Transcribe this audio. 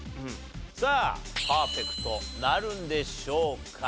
さあパーフェクトなるんでしょうか？